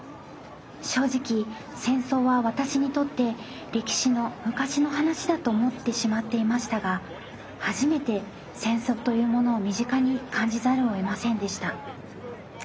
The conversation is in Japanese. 正直戦争は私にとって歴史の昔の話だと思ってしまっていましたが初めて戦争というものを身近に感じざるをえませんでした。